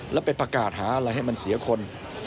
แล้วไปประกาศหาอะไรให้มันเสียคน